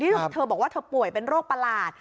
ที่เธอบอกว่าเธอป่วยปัญใบโรครหลัด